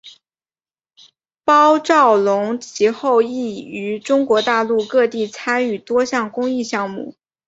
包兆龙其后亦于中国大陆各地参与多项公益项目。